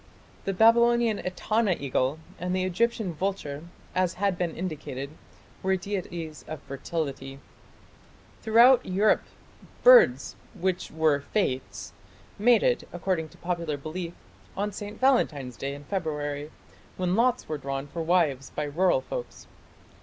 The Babylonian Etana eagle and the Egyptian vulture, as has been indicated, were deities of fertility. Throughout Europe birds, which were "Fates", mated, according to popular belief, on St. Valentine's Day in February, when lots were drawn for wives by rural folks.